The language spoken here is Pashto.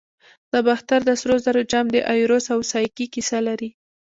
د باختر د سرو زرو جام د ایروس او سایکي کیسه لري